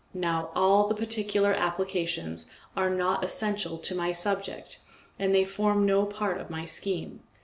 Now all these particular applications are not essential to my subject, and they form no part of my scheme.